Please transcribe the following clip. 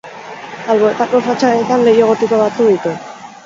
Alboetako fatxadetan leiho gotiko batzuk ditu.